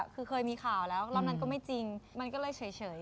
คือเคยมีข่าวแล้วรอบนั้นก็ไม่จริงมันก็เลยเฉย